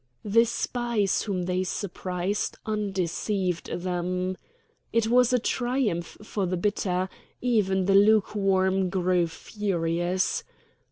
The spies whom they surprised undeceived them. It was a triumph for the bitter; even the lukewarm grew furious.